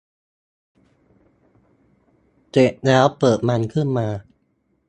เสร็จแล้วเปิดมันขึ้นมา